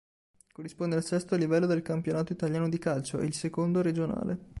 Corrisponde al sesto livello del campionato italiano di calcio, e il secondo regionale.